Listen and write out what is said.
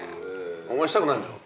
お前したくないんだろ？